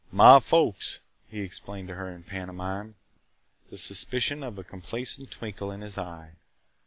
"My folks!" he explained to her in pantomime, the suspicion of a complacent twinkle in his eye.